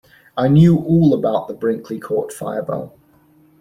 I knew all about the Brinkley Court fire bell.